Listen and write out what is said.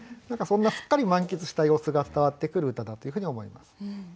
何かそんなすっかり満喫した様子が伝わってくる歌だというふうに思います。